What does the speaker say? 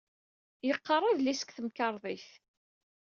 La yeqqar adlis deg temkarḍit.